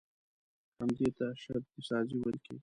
همدې ته شرطي سازي ويل کېږي.